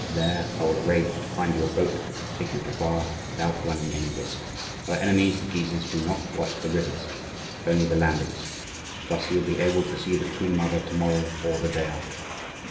There I will arrange to find you a boat which will take you to Blois without running any risk. Our enemies the Guises do not watch the rivers, only the landings. Thus you will be able to see the queen mother to morrow or the day after."